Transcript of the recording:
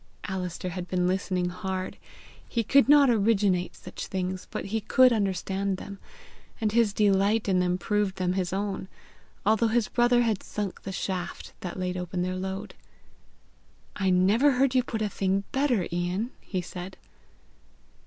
Alister had been listening hard. He could not originate such things, but he could understand them; and his delight in them proved them his own, although his brother had sunk the shaft that laid open their lode. "I never heard you put a thing better, Ian!" he said.